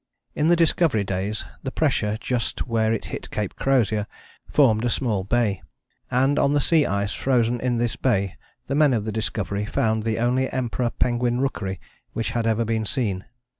In the Discovery days the pressure just where it hit Cape Crozier formed a small bay, and on the sea ice frozen in this bay the men of the Discovery found the only Emperor penguin rookery which had ever been seen.